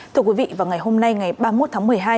thưa quý vị vào ngày hôm nay ngày ba mươi một tháng một mươi hai